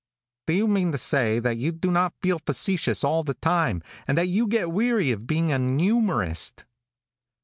"Do you mean to say that you do not feel facetious all the time, and that you get weary of being an youmorist?"